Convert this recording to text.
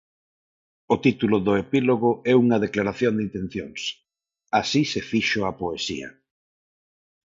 O título do epílogo é unha declaración de intencións: "Así se fixo a poesía".